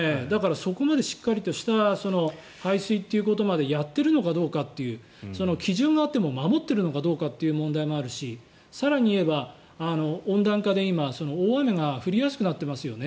そこまでしっかりした排水ということまでやっているのかという基準があっても守っているのかどうかという問題もあるし更に言えば温暖化で今大雨が降りやすくなっていますよね。